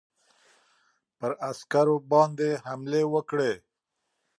پر عسکرو باندي حملې وکړې.